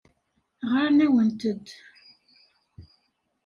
Ɣran-awent-d.